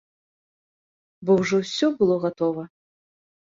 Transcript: Бо ўжо ўсё было гатова.